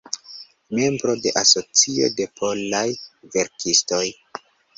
Membro de Asocio de Polaj Verkistoj.